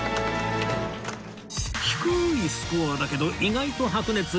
低いスコアだけど意外と白熱